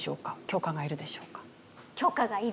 許可がいるでしょうか？